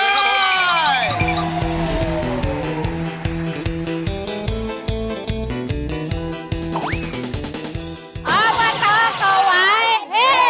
เพราะว่าเท้าเกาะหวายเฮ่ย